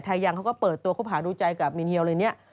ยังเขาก็เปิดตัวคบหาดูใจกับมินเฮียวเลยเนี่ย